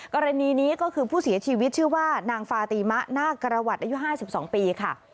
กรณีนี้ก็คือผู้เสียชีวิตชื่อว่านางฟาติมะนากรวัตรอายุ๕๒ปีค่ะ